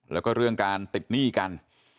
แล้วก็เรื่องการติดหนี้กัน